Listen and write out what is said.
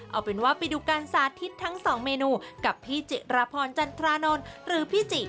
เอาเป็นว่าไปดูการสาธิตทั้งสองเมนูกับพี่จิรพรจันทรานนท์หรือพี่จิ